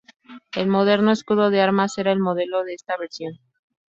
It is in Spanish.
El moderno escudo de armas era el modelo de esta versión.